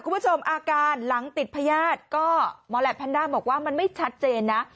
คุณผู้ชมอาการหลังติดพญาติก็หมอแหลปแพนด้าบอกว่ามันไม่ชัดเจนนะ